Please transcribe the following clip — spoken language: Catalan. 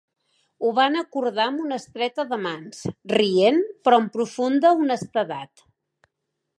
Ho van acordar amb una estreta de mans, rient, però amb profunda honestedat.